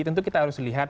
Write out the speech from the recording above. tentu kita harus lihat